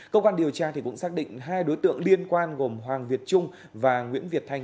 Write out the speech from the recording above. cơ quan điều tra cũng xác định hai đối tượng liên quan gồm hoàng việt trung và nguyễn việt thanh